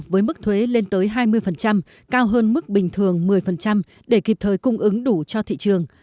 với mức thuế lên tới hai mươi cao hơn mức bình thường một mươi để kịp thời cung ứng đủ cho thị trường